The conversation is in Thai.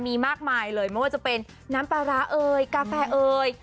มีมากมายเลยไม่ว่าจะเป็นน้ำปลาร้าเอ่ยกาแฟเอ่ย